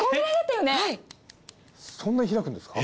そんな開くんですか？